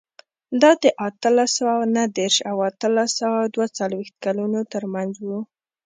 دا د اتلس سوه نهه دېرش او اتلس سوه دوه څلوېښت کلونو ترمنځ و.